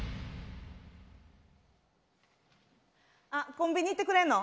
あっコンビニ行ってくれんの？